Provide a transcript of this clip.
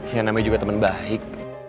ya namanya juga temen baik